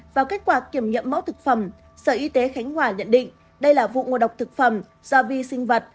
vào kết quả kiểm nghiệm mẫu thực phẩm sở y tế khánh hòa nhận định đây là vụ ngộ độc thực phẩm do vi sinh vật